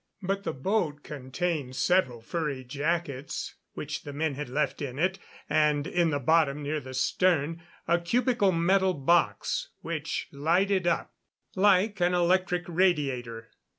But the boat contained several furry jackets, which the men had left in it, and in the bottom, near the stern, a cubical metal box which lighted up like an electric radiator.